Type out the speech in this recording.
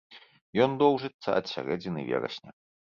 Ён доўжыцца ад сярэдзіны верасня.